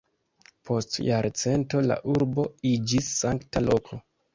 Post jarcento la urbo iĝis sankta loko.